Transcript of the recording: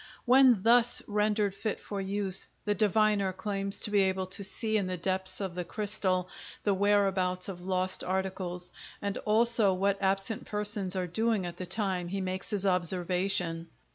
When thus rendered fit for use, the diviner claims to be able to see in the depths of the crystal the whereabouts of lost articles, and also what absent persons are doing at the time he makes his observation.